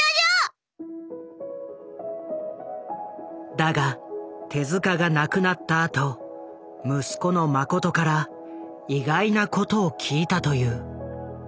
だが手が亡くなったあと息子の眞から意外なことを聞いたという。